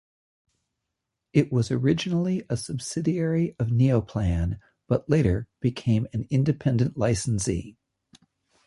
It was originally a subsidiary of Neoplan, but later became an independent licensee.